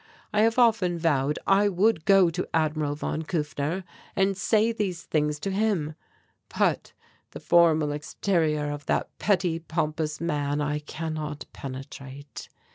I have often vowed I would go to Admiral von Kufner, and say these things to him. But the formal exterior of that petty pompous man I cannot penetrate.